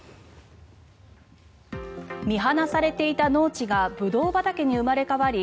見放されていた農地がブドウ畑に生まれ変わり